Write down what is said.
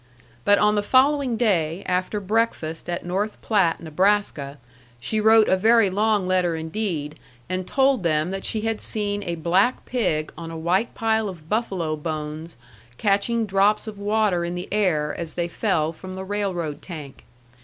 But on the following day, after breakfast at North Platte, Nebraska, she wrote a very long letter indeed, and told them that she had seen a black pig on a white pile of buffalo bones, catching drops of water in the air as they fell from the railroad tank.